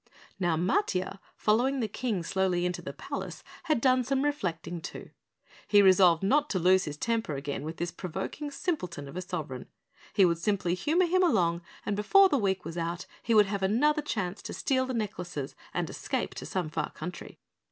Now Matiah, following the King slowly into the palace, had done some reflecting, too. He resolved not to lose his temper again with this provoking simpleton of a sovereign. He would simply humor him along and before the week was out he would have another chance to steal the necklaces and escape to some far country.